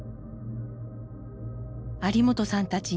有元さんたち